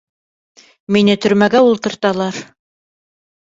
Мине төрмәгә ултырталар!